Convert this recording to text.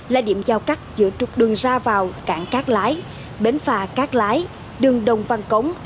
là điểm giao cắt giữa trục đường ra vào cảng cát lái bến phà cát lái đường đồng văn cống